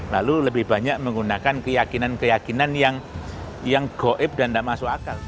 lalu lebih banyak menggunakan keyakinan keyakinan yang goib dan tidak masuk akal